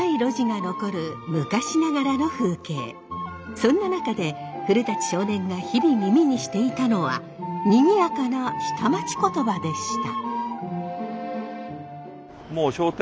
そんな中で古少年が日々耳にしていたのはにぎやかな下町言葉でした。